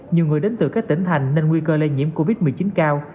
nhiều người đến từ các tỉnh thành nên nguy cơ lây nhiễm covid một mươi chín cao